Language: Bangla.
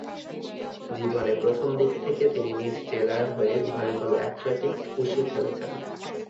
জীবনে প্রথম দিকে তিনি নিজ জেলার হয়ে ভলিবল-অ্যাথলেটিকস-উশু খেলেছেন।